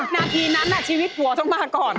นาทีนั้นชีวิตผัวต้องมาก่อน